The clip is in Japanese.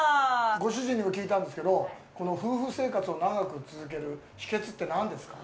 ご主人にも聞いたんですけど夫婦生活を長く続ける秘訣って何ですか。